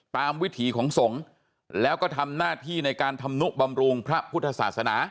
วิถีของสงฆ์แล้วก็ทำหน้าที่ในการทำนุบำรุงพระพุทธศาสนา